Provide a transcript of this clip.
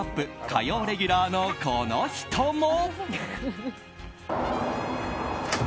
火曜レギュラーのこの人も。